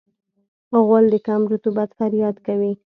غول د کم رطوبت فریاد کوي.